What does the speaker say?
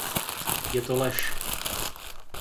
Je to lež.